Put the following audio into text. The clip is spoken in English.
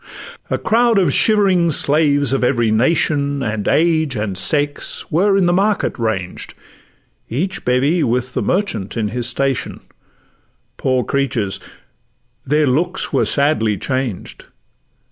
A crowd of shivering slaves of every nation, And age, and sex, were in the market ranged; Each bevy with the merchant in his station: Poor creatures! their good looks were sadly changed.